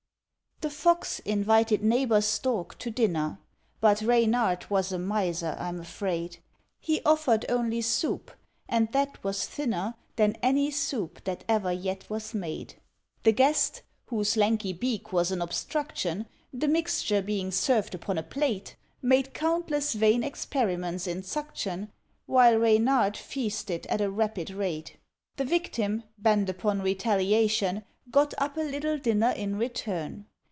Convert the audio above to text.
The Fox invited neighbour Stork to dinner, But Reynard was a miser, I'm afraid; He offered only soup, and that was thinner Than any soup that ever yet was made. The guest whose lanky beak was an obstruction, The mixture being served upon a plate Made countless vain experiments in suction, While Reynard feasted at a rapid rate. The victim, bent upon retaliation, Got up a little dinner in return.